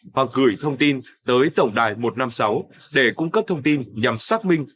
hoặc gửi thông tin tới tổng đài một trăm năm mươi sáu để cung cấp thông tin nhằm xác minh